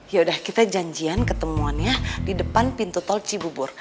yaudah kita janjian ketemuannya di depan pintu tol cibubur